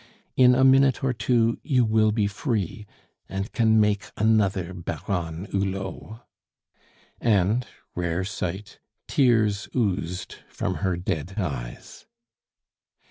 In a minute or two you will be free, and can make another Baronne Hulot." And, rare sight, tears oozed from her dead eyes.